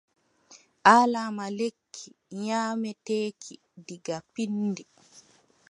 Alaama lekki nyaameteeki diga pinndi.